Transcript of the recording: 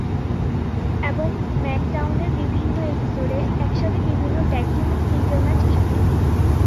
এবং স্ম্যাকডাউনের বিভিন্ন এপিসোডে একসাথে বিভিন্ন ট্যাগ টিম ও সিঙ্গেল ম্যাচ খেলে।